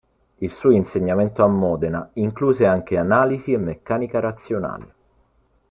Il suo insegnamento a Modena incluse anche analisi e meccanica razionale.